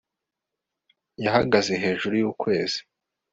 Yahagaze hejuru yukwezi